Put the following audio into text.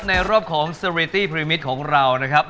ในรอบของสรีตี้พรีมิตของเรานะครับ